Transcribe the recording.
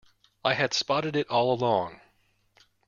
I had spotted it all along.